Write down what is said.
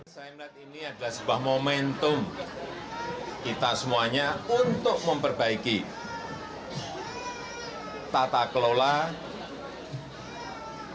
saya melihat ini adalah sebuah momentum kita semuanya untuk memperbaiki tata kelola distribusi baik menyangkut industri farmasi